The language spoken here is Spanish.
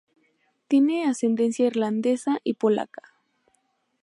Tiene ascendencia irlandesa y polaca.